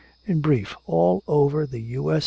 In brief, all over the U.S.